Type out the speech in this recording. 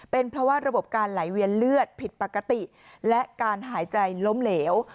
เป็นเพราะว่าระบบการไหลเวียนเลือดผิดปกติและการหายใจล้มเหลว